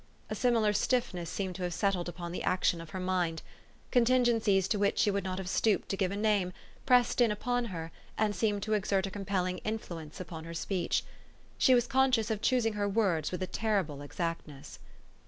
A similar stiffness seemed to have settled upon the action of her mind. Contingencies to which she would not have stooped to give a name, pressed in upon her, and seemed to exert a compelling influence upon her speech. She was conscious of choosing her words with a terrible exactness.